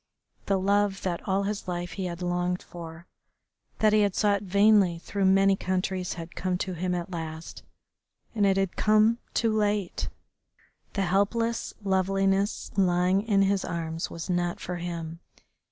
The love that all his life he had longed for, that he had sought vainly through many countries, had come to him at last, and it had come too late. The helpless loveliness lying in his arms was not for him.